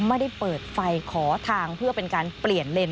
ไม่ได้เปิดไฟขอทางเพื่อเป็นการเปลี่ยนเลน